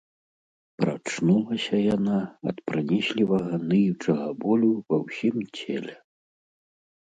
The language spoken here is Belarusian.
Прачнулася яна ад пранізлівага ныючага болю ва ўсім целе.